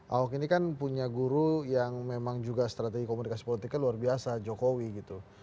ahok ini kan punya guru yang memang juga strategi komunikasi politiknya luar biasa jokowi gitu